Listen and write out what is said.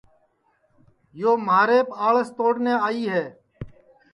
یو مھاریپ آڑس توڑنے آئی ہے